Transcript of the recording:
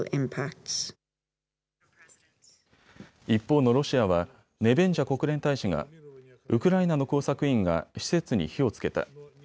一方のロシアはネベンジャ国連大使がウクライナの工作員が施設に火をつけた。